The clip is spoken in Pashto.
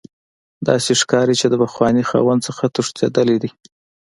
داسې ښکاریده چې د پخواني خاوند څخه تښتیدلی دی